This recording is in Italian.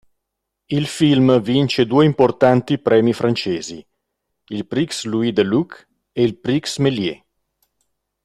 Il film vince due importanti premi francesi: il Prix Louis-Delluc e il Prix Méliès.